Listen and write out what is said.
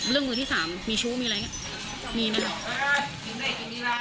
มือที่สามมีชู้มีอะไรอย่างเงี้ยมีไหม